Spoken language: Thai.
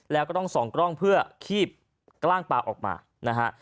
แล้วก็ต้องส่องกล้องเพื่อคีบกล้างปลาออกมานะฮะ